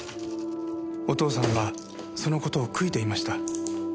お父さんはその事を悔いていました。